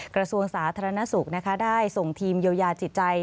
กระทรวงศาสนธนสุขได้ส่งทีมเยาว์อยาจิตใจ